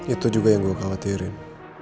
itu juga yang gue khawatirin